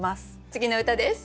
次の歌です。